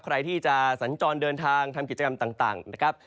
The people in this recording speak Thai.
ใครที่จะสัญจรเดินทางทำกิจกรรมต่างนะครับ